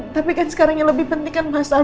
tapi sekarang yang lebih penting kan mas al